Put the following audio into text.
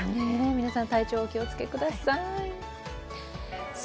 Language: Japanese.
皆さん体調お気をつけください。